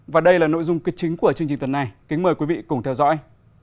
và đây là nội dung kết chính của chương trình tuần này kính mời quý vị cùng theo dõi